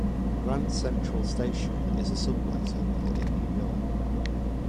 Grand Central Station is a subway terminal in New York.